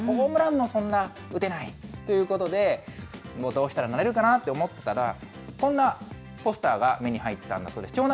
ホームランもそんな打てないということで、どうしたらなれるかなと思ったら、こんなポスターが目に入ったんだそうです。